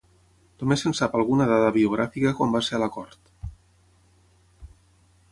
Només se'n sap alguna dada biogràfica quan va ser a la cort.